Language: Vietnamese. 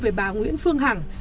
về bà nguyễn phương hằng